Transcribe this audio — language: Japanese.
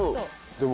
でも。